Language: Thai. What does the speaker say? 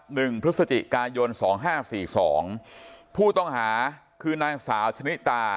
หนึ่งพฤศจิกายนสองห้าสี่สองผู้ต้องหาคือนางสาวชนิตา